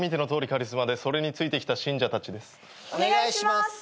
お願いします。